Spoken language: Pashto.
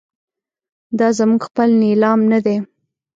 دا زموږ خپل نیلام نه دی.